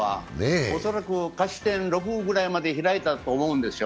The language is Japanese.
恐らく勝ち点６まで開いたと思うんですよ。